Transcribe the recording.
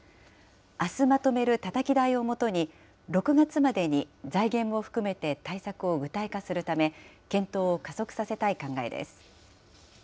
あすまとめるたたき台をもとに、６月までに財源も含めて対策を具体化するため、検討を加速させたい考えです。